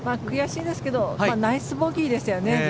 悔しいですけどナイスボギーでしたよね